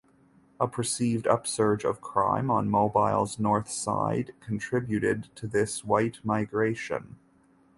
A perceived upsurge of crime on Mobile's north side contributed to this white migration.